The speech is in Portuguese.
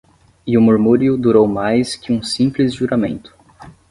E o murmúrio durou mais que um simples juramento.